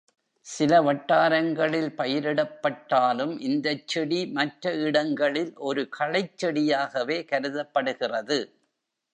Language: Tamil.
சில வட்டாரங்களில் பயிரிடப்பட்டாலும், இந்தச் செடி மற்ற இடங்களில் ஒரு களைச்செடியாகவே கருதப்படுகிறது.